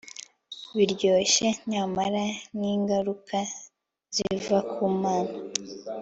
Biryoshe nyamara nkingaruka ziva ku Mana